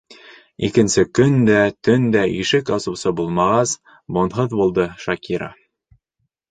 Икенсе көн дә, төн дә ишек асыусы булмағас, быуынһыҙ булды Шакира.